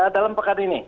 dalam pekan ini